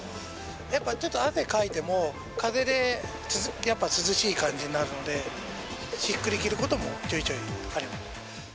やっぱちょっと汗かいても、風でやっぱり涼しい感じになるので、私服で着ることもちょいちょいある。